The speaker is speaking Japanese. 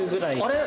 あれ？